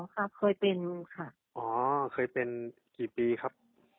ครับเคยเป็นค่ะอ๋อเคยเป็นกี่ปีครับ